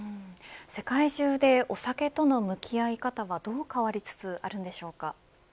世界中でお酒との向き合い方がどう変わりつつあるんでしょうか。